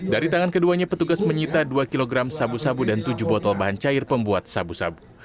dari tangan keduanya petugas menyita dua kg sabu sabu dan tujuh botol bahan cair pembuat sabu sabu